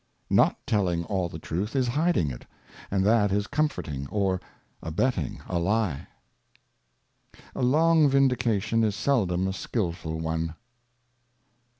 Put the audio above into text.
Not telling all the Truth is hiding it, and that is comforting or abetting a Lye. A long Vindication is seldom a skilful one.